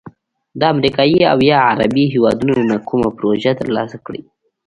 د امریکا او یا عربي هیوادونو نه کومه پروژه تر لاسه کړي،